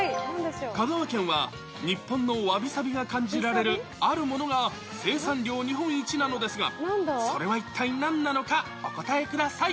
香川県は日本のわびさびが感じられるあるものが生産量日本一なのですが、それは一体なんなのか、お答えください。